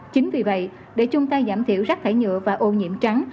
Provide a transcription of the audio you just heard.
chính vì vậy để chúng ta giảm thiểu giác thải nhựa và ô nhiễm trắng